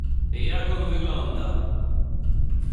Jak on wygląda!